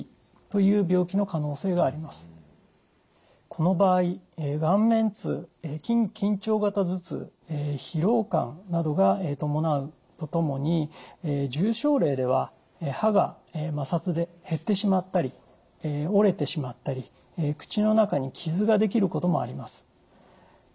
この場合顔面痛緊張型頭痛疲労感などが伴うとともに重症例では歯が摩擦で減ってしまったり折れてしまったり口の中に傷ができることもあります。